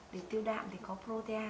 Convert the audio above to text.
để tiêu đạm thì có protea